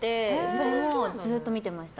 それもずっと見てました。